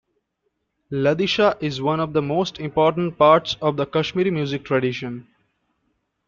Ladishah is one of the most important parts of the Kashmiri music tradition.